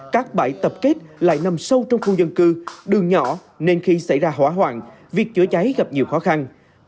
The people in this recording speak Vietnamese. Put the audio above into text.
các bãi tập kết lại nằm sâu trong khu dân cư đường nhỏ nên khi xảy ra hỏa hoạn việc chữa cháy gặp nhiều khó khăn